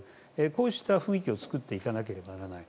こうした雰囲気を作っていかなければならない。